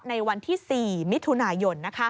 ในวันที่๔มิย